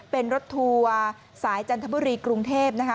เป็นรถทัวร์สายจันทบุรีกรุงเทพนะคะ